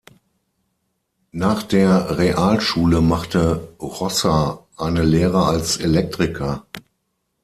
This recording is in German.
Nach der Realschule machte Rossa eine Lehre als Elektriker.